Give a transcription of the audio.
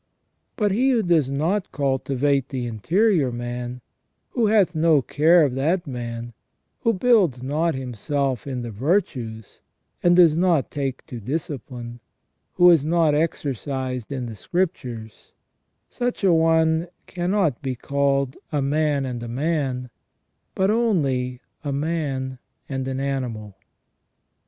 But he who does not cultivate the interior man, who hath no care of that man, who builds not himself in the virtues, who does not take to discipline, who is not exercised in the Scriptures, such a one cannot be called a man and a man, but only a man and an animal."